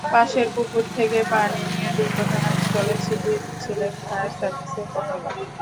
পাশের পুকুর থেকে পানি নিয়ে দুর্ঘটনাস্থলে ছিটিয়ে দিচ্ছিলেন ফায়ার সার্ভিসের কর্মীরা।